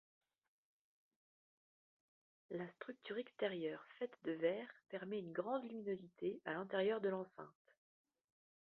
La structure extérieure faite de verre permet une grande luminosité à l'intérieur de l'enceinte.